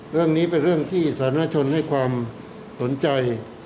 เรื่องนี้เป็นเรื่องที่สาธารณชนให้ความสนใจ